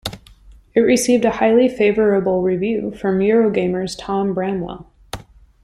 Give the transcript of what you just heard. It received a highly favourable review from Eurogamer's Tom Bramwell.